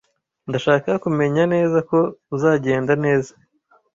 Ndashaka kumenya neza ko uzagenda neza.